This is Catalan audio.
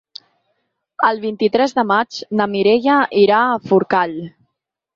El vint-i-tres de maig na Mireia irà a Forcall.